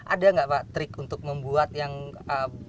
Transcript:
ada nggak pak trik untuk membuat yang